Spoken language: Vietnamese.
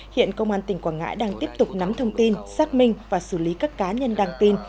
hiện công an tỉnh quảng ngãi đang tiếp tục nắm thông tin xác minh và xử lý các cá nhân đăng tin